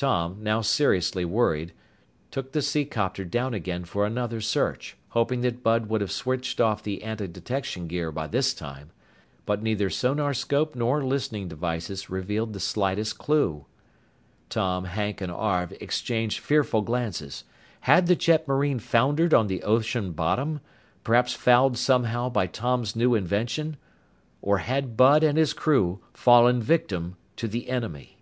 Tom, now seriously worried, took the seacopter down again for another search, hoping that Bud would have switched off the antidetection gear by this time. But neither sonarscope nor listening devices revealed the slightest clue. Tom, Hank, and Arv exchanged fearful glances. Had the jetmarine foundered on the ocean bottom perhaps fouled somehow by Tom's new invention? Or had Bud and his crew fallen victim to the enemy?